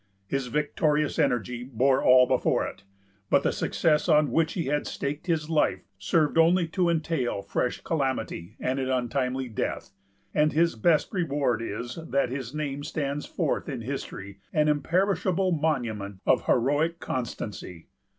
His victorious energy bore all before it; but the success on which he had staked his life served only to entail fresh calamity, and an untimely death; and his best reward is, that his name stands forth in history an imperishable monument of heroic constancy.